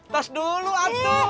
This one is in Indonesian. tas dulu abduh